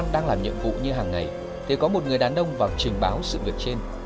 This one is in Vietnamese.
đang làm nhiệm vụ như hàng ngày thì có một người đàn ông vào trình báo sự việc trên